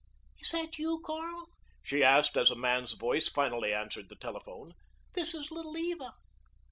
"Is that you, Carl?" she asked as a man's voice finally answered the telephone. "This is Little Eva."